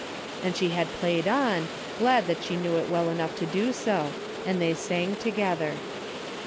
" And she had played on, glad that she knew it well enough to do so, and they sang together.